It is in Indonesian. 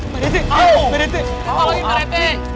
pak rete pak rete